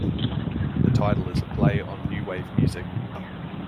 The title is a play on new wave music.